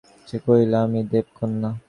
সে কহিল, আমি দেবকন্যা।